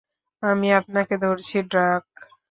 আমি আপনাকে ধরছি, ড্রাক!